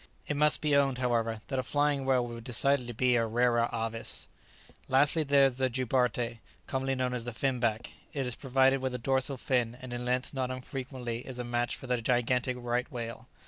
It must be owned, however, that a flying whale would decidedly be a rara avis. Lastly, there is the Jubarte, commonly known as the Finback. It is provided with a dorsal fin, and in length not unfrequently is a match for the gigantic Right whale.